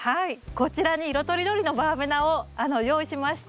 こちらに色とりどりのバーベナを用意しました。